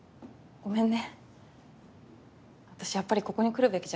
ごめんね。